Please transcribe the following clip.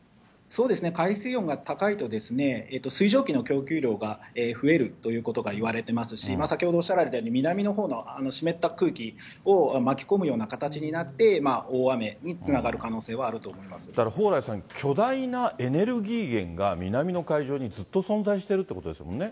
そうですね、海水温が高いと、水蒸気の供給量が増えるということがいわれてますし、先ほどおっしゃられたように、南のほうの湿った空気を巻き込むような形になって、大雨につながる可能性があだから、蓬莱さん、巨大なエネルギー源が、南の海上にずっと存在しているということですもんね。